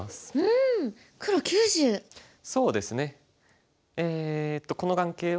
そうですね。